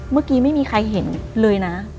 เมื่อกี้ไม่มีใครเห็นเลยนะ